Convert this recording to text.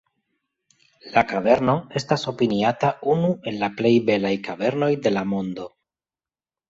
La kaverno estas opiniata unu el la plej belaj kavernoj de la mondo.